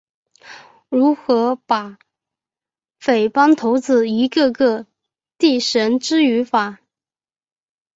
如何把匪帮头子一个个地绳之于法？